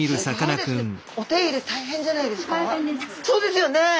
そうですよね。